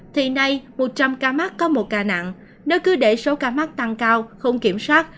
thì nay một trăm linh ca mắc có một ca nặng nơi cứ để số ca mắc tăng cao không kiểm soát